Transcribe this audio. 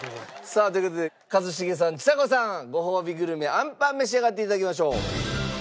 さあという事で一茂さんちさ子さんごほうびグルメあんぱん召し上がって頂きましょう。